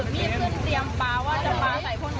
เขาปิ่นอยู่บนเนี่ย